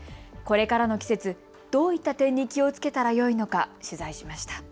これからの季節、どういった点に気をつけたらよいのか取材しました。